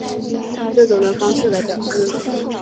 这种的方式来表示。